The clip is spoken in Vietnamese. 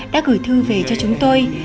đã gửi thư về cho chúng tôi